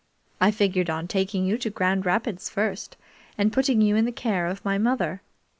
I figured on taking you to Grand Rapids first, and putting you in the care of my mother.